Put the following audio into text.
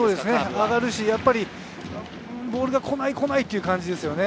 上がるし、やっぱりボールが来ないという感じですよね。